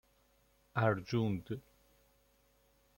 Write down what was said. اَرجوند